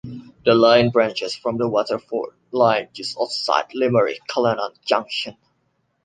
The line branches from the Waterford line just outside Limerick at Killonan Junction.